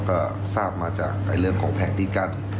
ก็ทราบมาจากเรื่องของแผนที่กั้น